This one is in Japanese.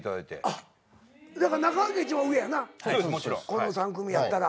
この３組やったら。